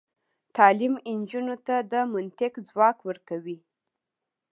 تعلیم نجونو ته د منطق ځواک ورکوي.